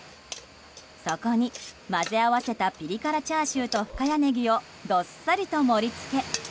そこに混ぜ合わせたピリ辛チャーシューと深谷ねぎをどっさりと盛り付け。